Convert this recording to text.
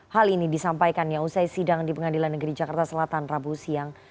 hal ini disampaikannya usai sidang di pengadilan negeri jakarta selatan rabu siang